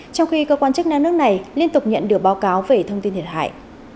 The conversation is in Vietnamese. trong khi cơ quan chức năng nước này liên tục nhận được báo cáo về thông tin thiệt hại